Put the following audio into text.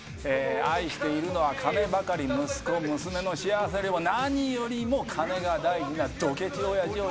愛しているのは金ばかり息子娘の幸せよりも何よりも金が大事なドケチ親父を演じます。